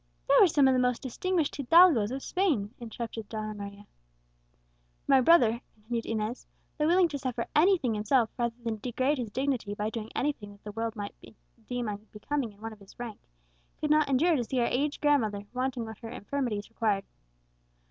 "They were some of the most distinguished hidalgos of Spain," interrupted Donna Maria. "My brother," continued Inez, "though willing to suffer anything himself rather than degrade his dignity by doing anything that the world might deem unbecoming in one of his rank, could not endure to see our aged grandmother wanting what her infirmities required.